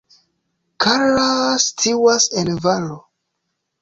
Karl situas en valo.